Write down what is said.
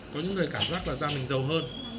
có những người cảm giác là da mình dầu hơn